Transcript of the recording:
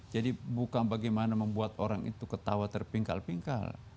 jadi bukan bagaimana membuat orang itu ketawa terpingkal pingkal